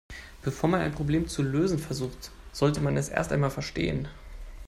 Bevor man ein Problem zu lösen versucht, sollte man es erst einmal verstehen.